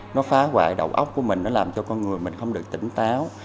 nó phá hoại đầu óc của mình nó làm cho con người mình không được tỉnh táo